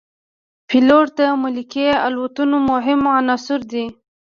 پیلوټ د ملکي الوتنو مهم عنصر دی.